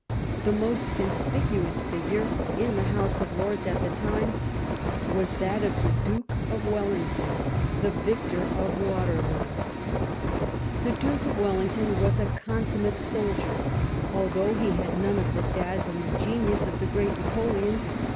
The most conspicuous figure in the House of Lords at the time was that of the Duke of Wellington, the victor of Water loo. The Duke of Wellington was a consummate soldier, although he had none of the dazzling genius of the great Napoleon.